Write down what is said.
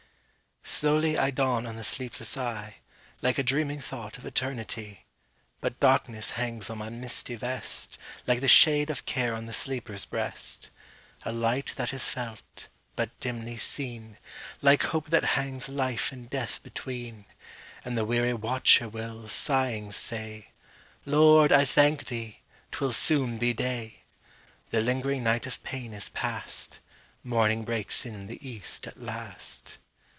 Slowly I dawn on the sleepless eye, Like a dreaming thought of eternity; But darkness hangs on my misty vest, Like the shade of care on the sleeper's breast; A light that is felt but dimly seen, Like hope that hangs life and death between; And the weary watcher will sighing say, "Lord, I thank thee! 'twill soon be day;" The lingering night of pain is past, Morning breaks in the east at last.